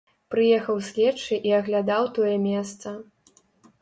Прыехаў следчы і аглядаў тое месца.